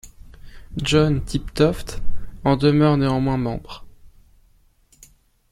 John Tiptoft en demeure néanmoins membre.